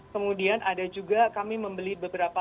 kemudian ada juga kami membeli beberapa